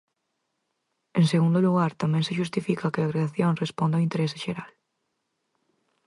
En segundo lugar, tamén se xustifica que a creación responde ao interese xeral.